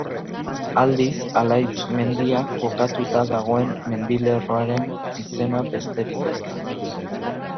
Aldiz, Alaitz mendia kokatuta dagoen mendilerroaren izena besterik ez da.